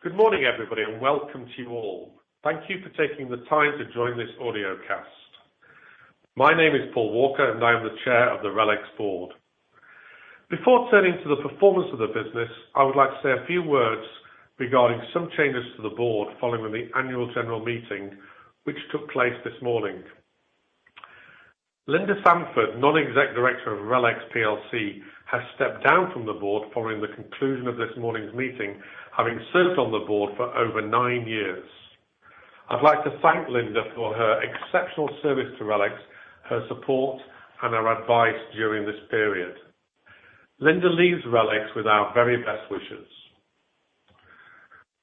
Good morning, everybody, and welcome to you all. Thank you for taking the time to join this audio cast. My name is Paul Walker, and I am the Chair of the RELX board. Before turning to the performance of the business, I would like to say a few words regarding some changes to the board following the annual general meeting, which took place this morning. Linda Sanford, Non-Executive Director of RELX PLC, has stepped down from the board following the conclusion of this morning's meeting, having served on the board for over nine years. I'd like to thank Linda for her exceptional service to RELX, her support, and her advice during this period. Linda leaves RELX with our very best wishes.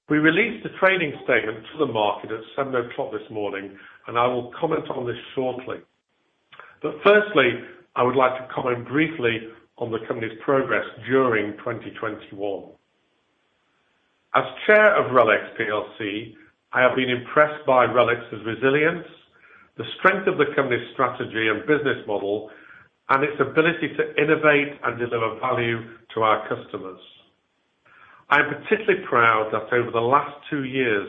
We released a trading statement to the market at 7:00 A.M. this morning, and I will comment on this shortly. Firstly, I would like to comment briefly on the company's progress during 2021. As Chair of RELX PLC, I have been impressed by RELX's resilience, the strength of the company's strategy and business model, and its ability to innovate and deliver value to our customers. I am particularly proud that over the last two years,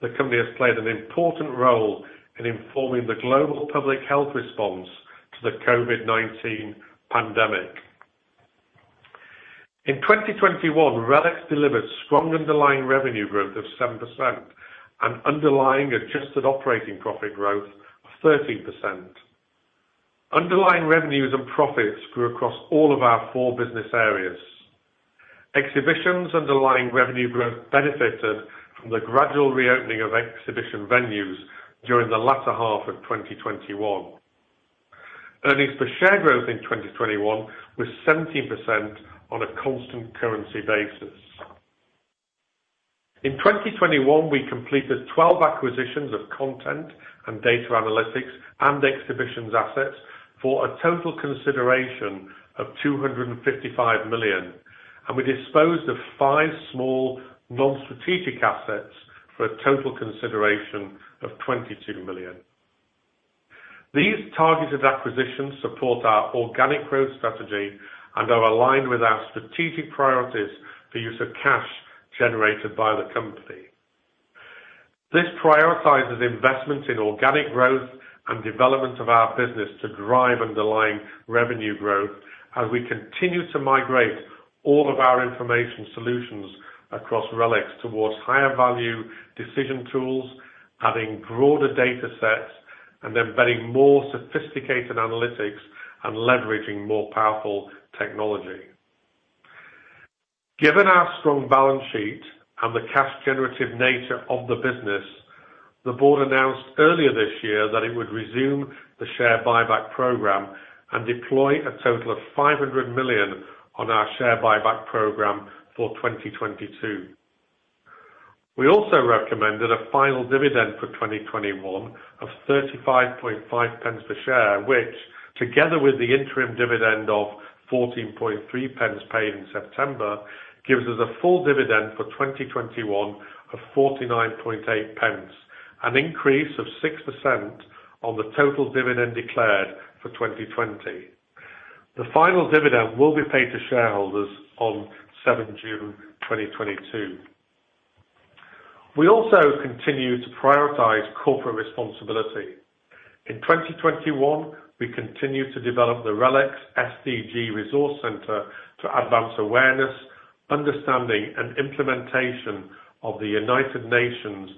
the company has played an important role in informing the global public health response to the COVID-19 pandemic. In 2021, RELX delivered strong underlying revenue growth of 7% and underlying adjusted operating profit growth of 30%. Underlying revenues and profits grew across all of our four business areas. Exhibitions' underlying revenue growth benefited from the gradual reopening of exhibition venues during the latter half of 2021. Earnings per share growth in 2021 was 17% on a constant currency basis. In 2021, we completed 12 acquisitions of content and data analytics and exhibitions assets for a total consideration of 255 million, and we disposed of five small non-strategic assets for a total consideration of 22 million. These targeted acquisitions support our organic growth strategy and are aligned with our strategic priorities for use of cash generated by the company. This prioritizes investments in organic growth and development of our business to drive underlying revenue growth as we continue to migrate all of our information solutions across RELX towards higher value decision tools, adding broader data sets and embedding more sophisticated analytics and leveraging more powerful technology. Given our strong balance sheet and the cash generative nature of the business, the board announced earlier this year that it would resume the share buyback program and deploy a total of 500 million on our share buyback program for 2022. We also recommended a final dividend for 2021 of 35.5 pence per share, which together with the interim dividend of 14.3 pence paid in September, gives us a full dividend for 2021 of 49.8 pence, an increase of 6% on the total dividend declared for 2020. The final dividend will be paid to shareholders on 7 June 2022. We also continue to prioritize corporate responsibility. In 2021, we continued to develop the RELX SDG Resource Centre to advance awareness, understanding, and implementation of the United Nations'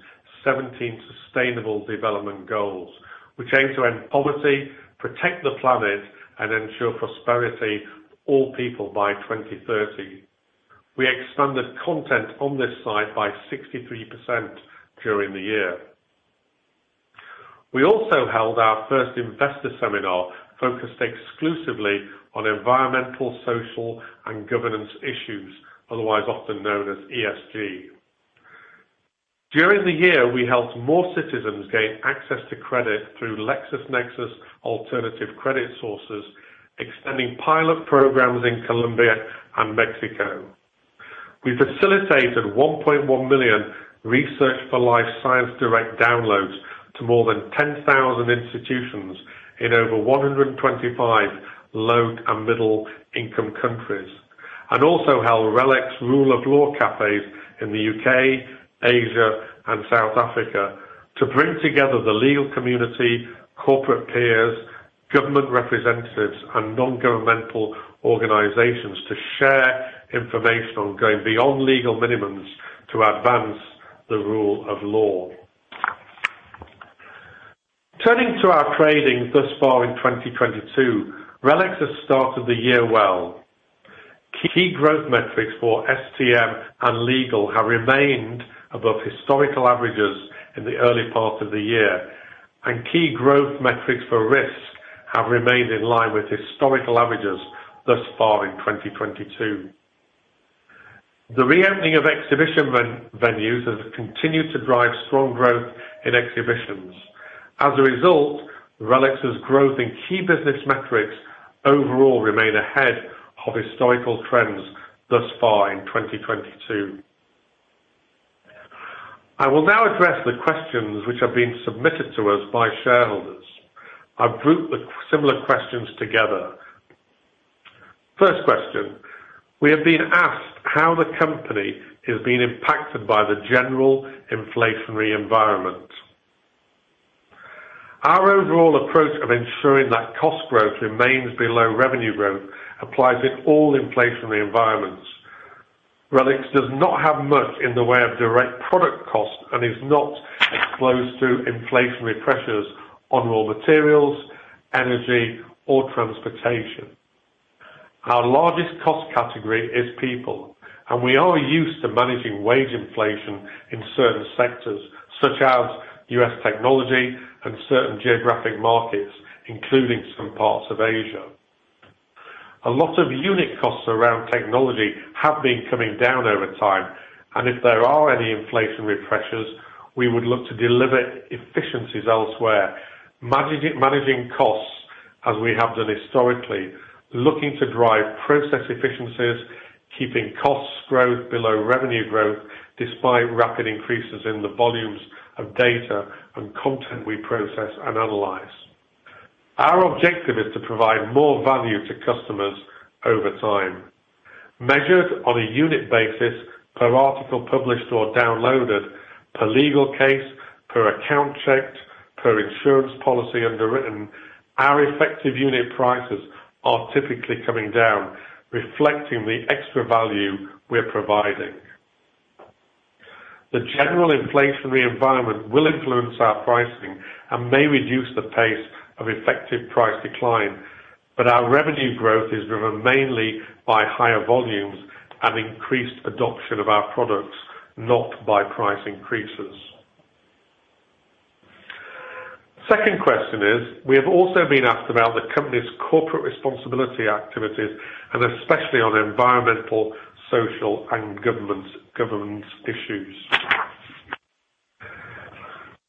17 sustainable development goals. We came to end poverty, protect the planet, and ensure prosperity for all people by 2030. We expanded content on this site by 63% during the year. We also held our first investor seminar focused exclusively on environmental, social, and governance issues, otherwise often known as ESG. During the year, we helped more citizens gain access to credit through LexisNexis alternative credit sources, extending pilot programs in Colombia and Mexico. We facilitated 1.1 million Research4Life ScienceDirect downloads to more than 10,000 institutions in over 125 low- and middle-income countries, and also held RELX Rule of Law Cafes in the U.K., Asia, and South Africa to bring together the legal community, corporate peers, government representatives, and non-governmental organizations to share information on going beyond legal minimums to advance the rule of law. Turning to our trading thus far in 2022, RELX has started the year well. Key growth metrics for STM and Legal have remained above historical averages in the early part of the year, and key growth metrics for Risk have remained in line with historical averages thus far in 2022. The reopening of exhibition venues have continued to drive strong growth in Exhibitions. As a result, RELX's growth in key business metrics overall remain ahead of historical trends thus far in 2022. I will now address the questions which have been submitted to us by shareholders. I've grouped the similar questions together. First question. We have been asked how the company has been impacted by the general inflationary environment. Our overall approach of ensuring that cost growth remains below revenue growth applies in all inflationary environments. RELX does not have much in the way of direct product costs and is not exposed to inflationary pressures on raw materials, energy, or transportation. Our largest cost category is people, and we are used to managing wage inflation in certain sectors such as U.S. technology and certain geographic markets, including some parts of Asia. A lot of unit costs around technology have been coming down over time, and if there are any inflationary pressures, we would look to deliver efficiencies elsewhere. Managing costs as we have done historically, looking to drive process efficiencies, keeping costs growth below revenue growth despite rapid increases in the volumes of data and content we process and analyze. Our objective is to provide more value to customers over time. Measured on a unit basis per article published or downloaded, per legal case, per account checked, per insurance policy underwritten, our effective unit prices are typically coming down, reflecting the extra value we're providing. The general inflationary environment will influence our pricing and may reduce the pace of effective price decline, but our revenue growth is driven mainly by higher volumes and increased adoption of our products, not by price increases. Second question is, we have also been asked about the company's corporate responsibility activities and especially on environmental, social, and governance issues.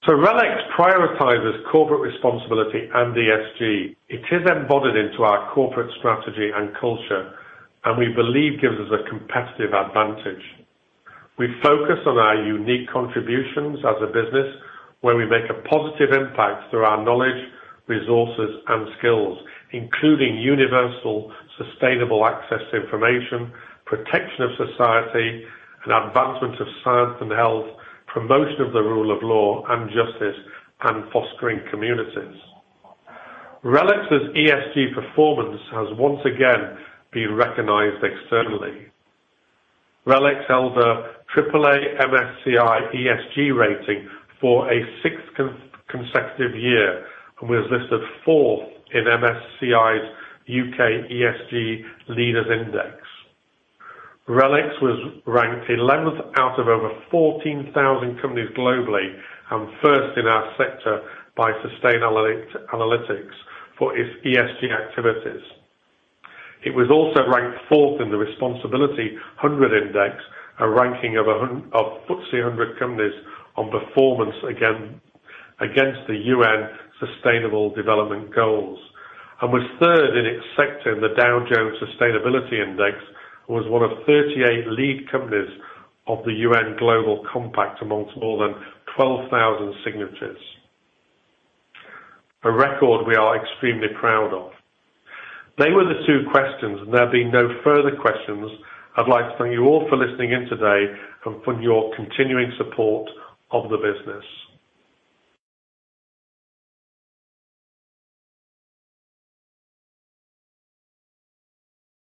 RELX prioritizes corporate responsibility and ESG. It is embodied into our corporate strategy and culture, and we believe gives us a competitive advantage. We focus on our unique contributions as a business where we make a positive impact through our knowledge, resources, and skills, including universal sustainable access to information, protection of society, and advancement of science and health, promotion of the Rule of Law and justice, and fostering communities. RELX's ESG performance has once again been recognized externally. RELX held a AAA MSCI ESG rating for a sixth consecutive year and was listed fourth in MSCI's UK ESG Leaders Index. RELX was ranked eleventh out of over 14,000 companies globally and first in our sector by Sustainalytics for its ESG activities. It was also ranked fourth in the Responsibility100 Index, a ranking of FTSE 100 companies on performance against the UN Sustainable Development Goals, and was third in its sector in the Dow Jones Sustainability Index, and was one of 38 lead companies of the UN Global Compact amongst more than 12,000 signatories. A record we are extremely proud of. They were the two questions, and there have been no further questions. I'd like to thank you all for listening in today and for your continuing support of the business.